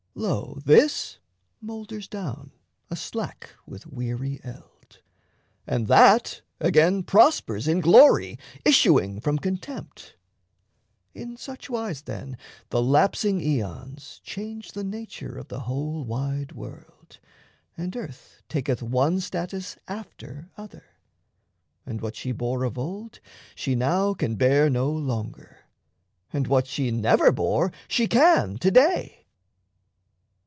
Lo, this moulders down, A slack with weary eld, and that, again, Prospers in glory, issuing from contempt. In suchwise, then, the lapsing aeons change The nature of the whole wide world, and earth Taketh one status after other. And what She bore of old, she now can bear no longer, And what she never bore, she can to day.